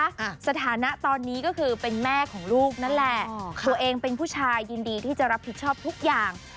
สถานะตอนนี้ก็คือเป็นแม่ของลูกนั่นแหละอ๋อตัวเองเป็นผู้ชายยินดีที่จะรับผิดชอบทุกอย่าง